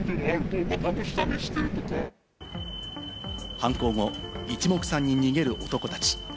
犯行後、一目散に逃げる男たち。